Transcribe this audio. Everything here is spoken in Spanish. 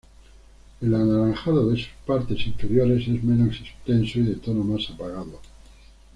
El anaranjado de sus partes inferiores es menos extenso y de tonos más apagados.